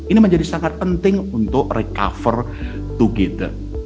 ini menjadi sangat penting untuk recover together